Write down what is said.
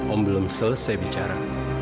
om belum selesai bicara